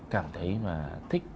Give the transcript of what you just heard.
cảm thấy thích